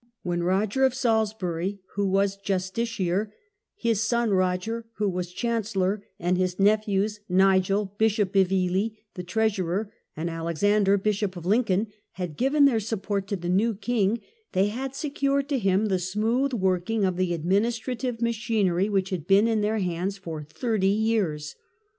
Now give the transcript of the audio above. When Roger of Salisbury, who was justiciar, his son Roger, who was chancellor, and his nephews, Nigel, Bishop of Ely, the treasurer, and Alexander, Bishop of Lincoln, had given their support to the new king, they had seciired to him the smooth working of* the administrative machinery which had been in their hands for thirty years.